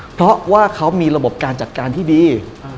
เพราะว่าเขามีระบบการจัดการที่ดี